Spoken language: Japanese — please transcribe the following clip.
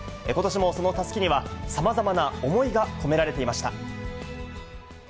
ことしもそのたすきには、さまざまな思いが込められていました。